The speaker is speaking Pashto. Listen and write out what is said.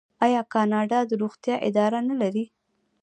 آیا کاناډا د روغتیا اداره نلري؟